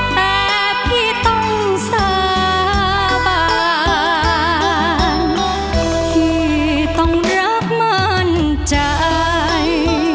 แต่พี่ต้องสาบาที่ต้องรักมั่นใจ